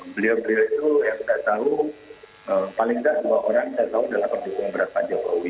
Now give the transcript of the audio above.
beliau beliau itu yang kita tahu paling tidak dua orang saya tahu adalah pendukung berat pak jokowi